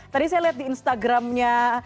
tadi saya lihat di instagramnya